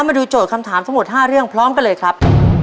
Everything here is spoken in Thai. มาดูโจทย์คำถามทั้งหมด๕เรื่องพร้อมกันเลยครับ